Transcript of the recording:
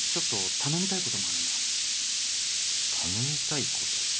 頼みたいこと？